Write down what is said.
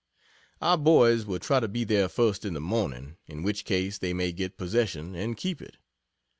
Our boys will try to be there first in the morning in which case they may get possession and keep it.